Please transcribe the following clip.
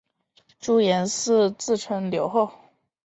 朱延嗣自称留后。